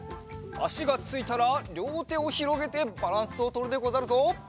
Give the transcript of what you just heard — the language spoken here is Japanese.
あしがついたらりょうてをひろげてバランスをとるでござるぞ。